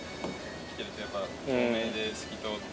生きてるとやっぱり透明で透き通って。